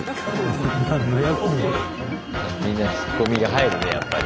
みんなツッコミが入るねやっぱり。